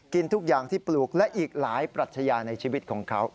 กินทุกอย่างที่ปลูกและอีกหลายปรัชญาในชีวิตของเขา